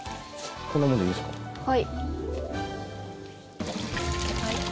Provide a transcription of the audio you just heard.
はい。